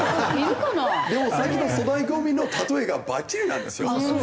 でもさっきの粗大ゴミの例えがバッチリなんですよ。